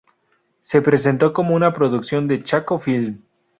Se presentó como una producción de Chaco Film.